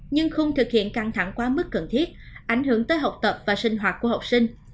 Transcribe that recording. nhưng không thực hiện căng thẳng quá mức cần thiết ảnh hưởng tới học tập và sinh hoạt của học sinh